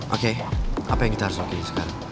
oke apa yang kita harus oke sekarang